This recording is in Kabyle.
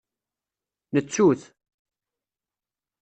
Nettu-t.